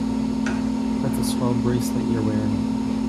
That's a swell bracelet you're wearing.